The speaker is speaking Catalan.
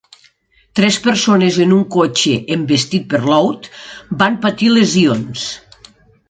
Tres persones en un cotxe envestit per Laud van patir lesions.